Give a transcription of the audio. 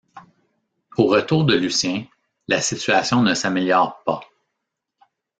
Au retour de Lucien, la situation ne s'améliore pas.